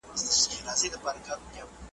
یو په یو به نیسي ګرېوانونه د قاتل قصاب